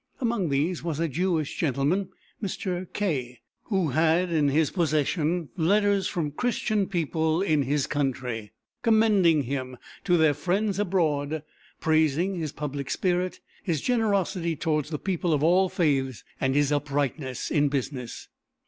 Among these was a Jewish gentleman, Mr. K., who had in his possession letters from Christian people in his county, commending him to their friends abroad, praising his public spirit, his generosity towards the people of all faiths, and his uprightness in business.